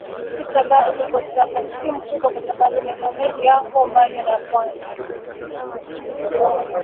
si mkubwa kwa sababu maeneo mengi yako mbali na pwani